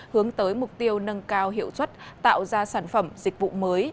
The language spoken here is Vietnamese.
hướng tới mục tiêu nâng cao hiệu suất tạo ra sản phẩm dịch vụ mới